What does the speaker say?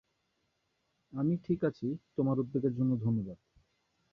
আমি ঠিক আছি, তোমার উদ্বেগের জন্য ধন্যবাদ।